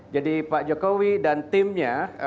jadi pak jokowi dan timnya